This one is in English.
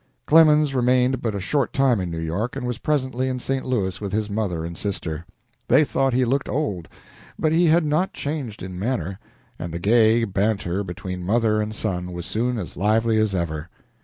Clemens remained but a short time in New York, and was presently in St. Louis with his mother and sister. They thought he looked old, but he had not changed in manner, and the gay banter between mother and son was soon as lively as ever.